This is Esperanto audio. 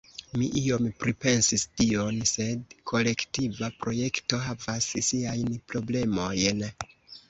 Mi iom pripensis tion, sed kolektiva projekto havas siajn problemojn.